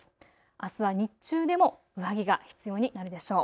あすは日中でも上着が必要になるでしょう。